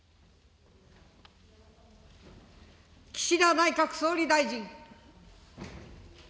岸田内閣総理大臣。